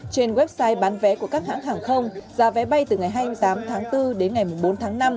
trên website bán vé của các hãng hàng không giá vé bay từ ngày hai mươi tám tháng bốn đến ngày bốn tháng năm